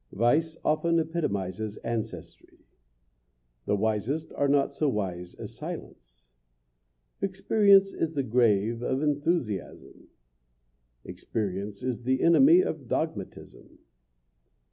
Vice often epitomizes ancestry. The wisest are not so wise as silence. Experience is the grave of enthusiasm. Experience is the enemy of dogmatism.